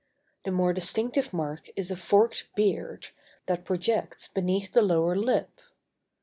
The more distinctive mark is a forked beard, that projects beneath the lower lip.